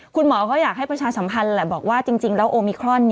คุณหมอก็อยากให้ประชาสัมพันธ์แหละบอกว่าจริงแล้วโอมิครอน